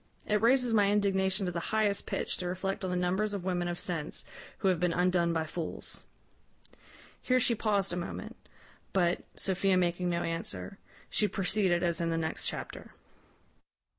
It raises my indignation to the highest pitch to reflect on the numbers of women of sense who have been undone by fools." Here she paused a moment; but, Sophia making no answer, she proceeded as in the next chapter.